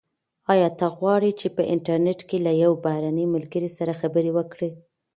ایا ته غواړې چي په انټرنیټ کي له یو بهرني ملګري سره خبرې وکړې؟